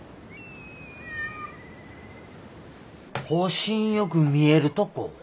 星んよく見えるとこ？